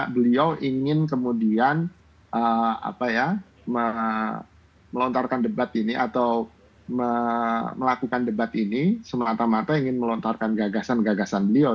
beliau ingin kemudian melontarkan debat ini atau melakukan debat ini semata mata ingin melontarkan gagasan gagasan beliau